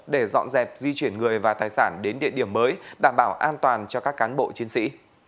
để dọn dẹp di chuyển người và tài sản đến địa điểm mới đảm bảo an toàn cho các cán bộ chiến sĩ